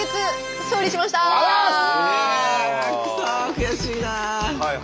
悔しいな。